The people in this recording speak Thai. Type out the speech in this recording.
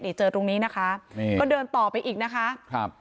นี่เจอตรงนี้นะคะก็เดินต่อไปอีกนะคะ